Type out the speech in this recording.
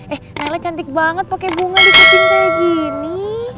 eh nela cantik banget pake bunga di kucing kayak gini